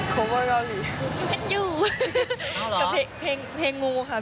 โคเวอร์รอหลีพาจูงค่ะพี่หมาดูค่ะอ๋อเหรอ